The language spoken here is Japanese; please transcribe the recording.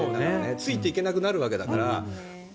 ついていけなくなるわけだから。